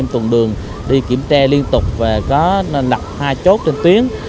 trong đường đi kiểm tra liên tục và có nặp hai chốt trên tuyến